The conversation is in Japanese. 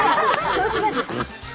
そうします。